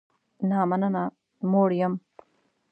نه مننه، موړ یم